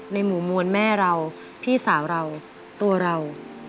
ในหมู่มวลแม่เราพี่สาวเราตัวเรา